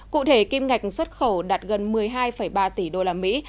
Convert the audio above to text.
cụ thể kim ngạch xuất khẩu đạt gần một mươi hai ba tỷ đô la mỹ